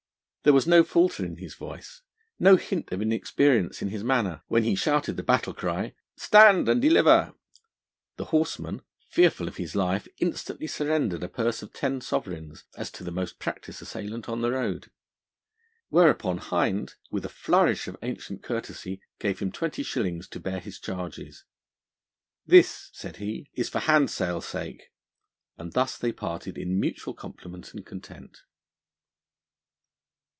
There was no falter in his voice, no hint of inexperience in his manner, when he shouted the battle cry: 'Stand and deliver!' The horseman, fearful of his life, instantly surrendered a purse of ten sovereigns, as to the most practised assailant on the road. Whereupon Hind, with a flourish of ancient courtesy, gave him twenty shillings to bear his charges. 'This,' said he, 'is for handsale sake '; and thus they parted in mutual compliment and content.